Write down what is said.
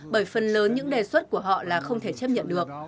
bởi phần lớn những đề xuất của họ là không thể chấp nhận được